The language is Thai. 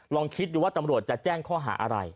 ลองคิดดูว่าตำรวจจะแจ้งข้อหาอะไร